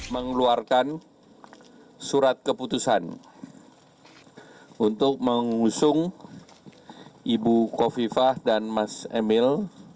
mengeluarkan surat keputusan untuk mengusung ibu kofifah dan mas emil